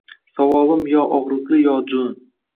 Savolim yo ogʼriqli, yo joʼn